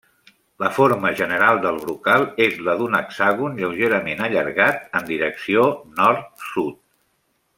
La forma general del brocal és la d'un hexàgon lleugerament allargat en direcció nord-sud.